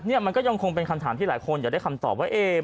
นี่มันก็ยังคงเป็นคำถามที่หลายคนอยากได้คำตอบว่า